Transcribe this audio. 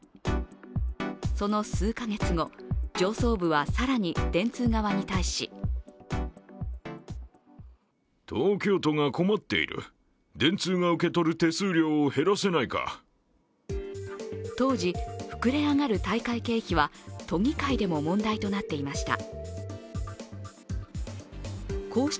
その数か月後、上層部は更に電通側に対し当時、膨れ上がる大会経費は都議会でも問題となっていました。